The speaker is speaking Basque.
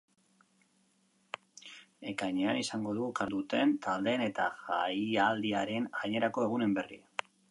Ekainean izango dugu kartela osatuko duten taldeen eta jaialdiaren gainerako egunen berri.